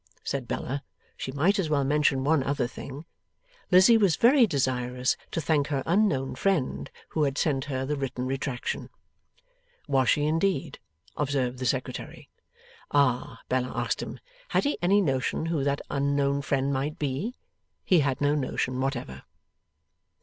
said Bella; she might as well mention one other thing; Lizzie was very desirous to thank her unknown friend who had sent her the written retractation. Was she, indeed? observed the Secretary. Ah! Bella asked him, had he any notion who that unknown friend might be? He had no notion whatever.